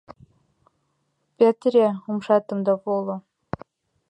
— Петыре умшатым да воло!